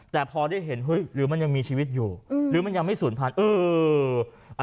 แต่พอได้เห็นเฮ้ยหรือมันยังมีชีวิตอยู่หรือมันยังไม่ศูนย์พันธุ์